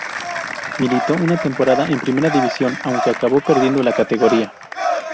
Militó una temporada en primera división aunque acabó perdiendo la categoría.